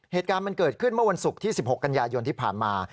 เหตุการณ์มันเกิดขึ้นเมื่อวันศุกร์ที่๑๖กันยายนที่ผ่านมา